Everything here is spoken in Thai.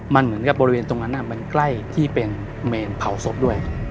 มันเหมือนกับบริเวณตรงนั้นมันใกล้ที่เป็นเมนเผาศพด้วย